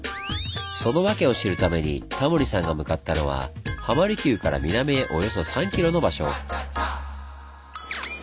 その訳を知るためにタモリさんが向かったのは浜離宮から南へおよそ３ｋｍの場所。